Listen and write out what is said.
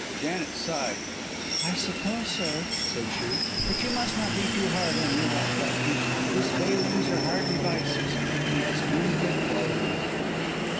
Janet sighed. "I suppose so," said she, "but you must not be too hard on Rudolph, doctor. His failings are hardly vices. He has many good qualities."